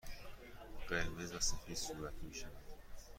قرمز و سفید صورتی می سازند.